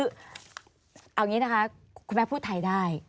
เอาอย่างนี้นะคะคุณแม่พูดไทยได้